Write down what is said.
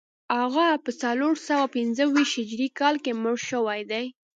هغه په څلور سوه پنځه ویشت هجري کال کې مړ شوی دی